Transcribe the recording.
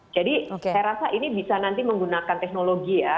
jadi saya rasa ini bisa nanti menggunakan teknologi ya